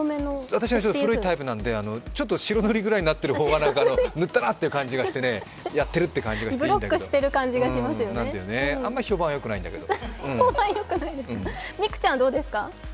私は古いタイプなので、ちょっと白塗りになっているぐらいが塗ったなという感じがして、やっている感じがしていいんだけどあんま評判はよくないんだけど。